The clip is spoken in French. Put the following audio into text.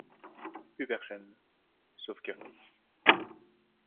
Plus personne... sauf Curtis.